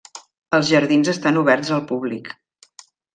Els jardins estan oberts al públic.